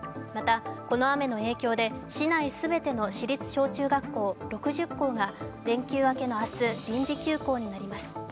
また、この雨の影響で市内全ての市立小中学校６０校が連休明けの明日臨時休校になります。